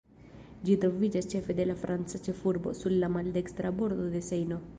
Ĝi troviĝas centre de la franca ĉefurbo, sur la maldekstra bordo de Sejno.